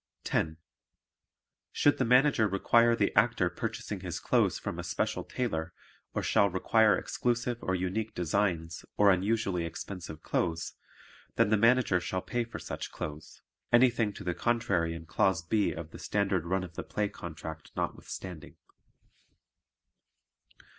10. Should the Manager require the Actor purchasing his clothes from a special tailor or shall require exclusive or unique designs or unusually expensive clothes, then the Manager shall pay for such clothes, anything to the contrary in Clause B of the Standard Run of the Play Contract notwithstanding.